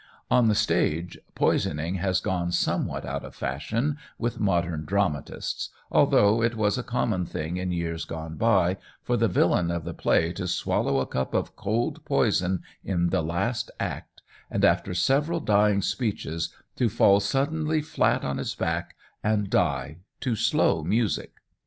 On the stage, "poisoning" has gone somewhat out of fashion with modern dramatists, although it was a common thing in years gone by for the villain of the play to swallow a cup of cold poison in the last act, and after several dying speeches to fall suddenly flat on his back and die to slow music.